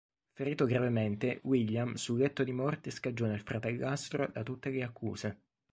Ferito gravemente, William, sul letto di morte scagiona il fratellastro da tutte le accuse.